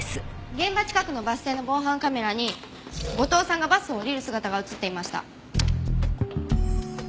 現場近くのバス停の防犯カメラに後藤さんがバスを降りる姿が映っていました。